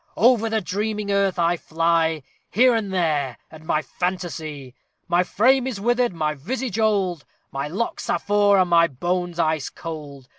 Over the dreaming earth I fly, Here and there at my fantasy! My frame is withered, my visage old, My locks are frore, and my bones ice cold.